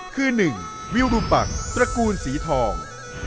คือ๑วิวรุมปักตระกูลสีทอง